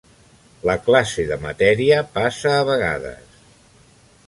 La classe de matèria passa a vegades.